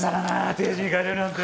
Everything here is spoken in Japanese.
定時に帰れるなんて。